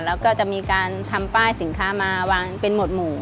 แล้วก็จะมีการทำป้ายสินค้ามาวางเป็นหวดหมู่